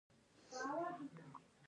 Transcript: د شنو خونو رومي بانجان څه ګټه لري؟